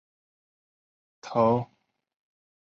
头骨顶部短宽。